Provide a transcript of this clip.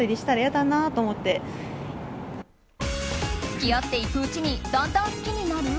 付き合っていくうちにだんだん好きになる？